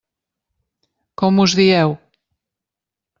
Com us dieu?